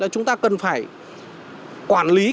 chúng ta cần phải quản lý